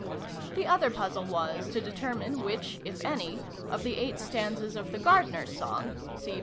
The other puzzle was, to determine which (if any) of the 8 stanzas of the Gardener's Song (see pp.